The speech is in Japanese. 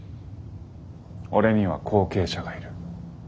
俺には後継者がいる。